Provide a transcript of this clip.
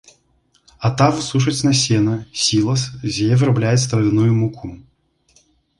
Атаву сушаць на сена, сілас, з яе вырабляюць травяную муку.